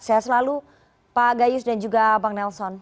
saya selalu pak gayus dan juga bang nelson